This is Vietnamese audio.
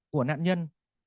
của nạn nhân